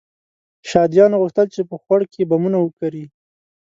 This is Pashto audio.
شهادیانو غوښتل چې په خوړ کې بمونه وکري.